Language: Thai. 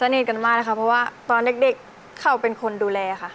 เพราะว่าตอนเด็กเขาเป็นคนดูแลค่ะ